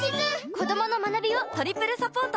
子どもの学びをトリプルサポート！